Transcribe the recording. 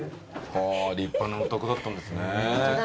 立派なお宅だったんですね。